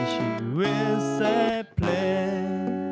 ในชีวิตเสียเพลง